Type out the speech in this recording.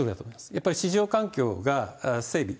やっぱり市場環境が整備、